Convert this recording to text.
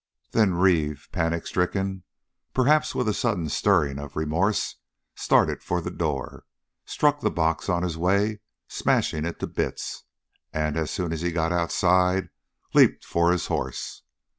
Then Reeve, panic stricken, perhaps with a sudden stirring of remorse, started for the door, struck the box on his way, smashing it to bits, and as soon as he got outside, leaped for his horse.